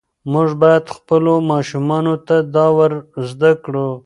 موږ باید خپلو ماشومانو ته دا ور زده کړو.